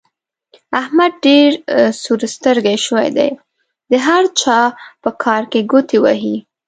احمد ډېر سور سترګی شوی دی؛ د هر چا په کار کې ګوتې وهي.